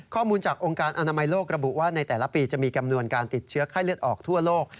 ข้อมูลจากองค์การอนามัยโลกระบุว่าในแต่ละปีจะมีจำนวนการติดเชื้อไข้เลือดออกทั่วโลก